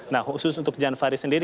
nah khusus untuk jan farid sendiri